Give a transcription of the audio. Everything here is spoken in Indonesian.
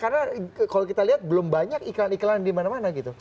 karena kalau kita lihat belum banyak iklan iklan di mana mana gitu